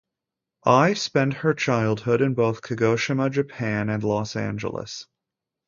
Ai spent her childhood in both Kagoshima, Japan and Los Angeles.